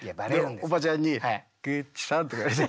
おばちゃんに「グッチさん」とか言われて。